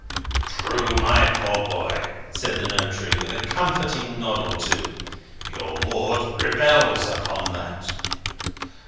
"True, my poor boy," said the notary, with a comforting nod or two; "your ward rebels upon that."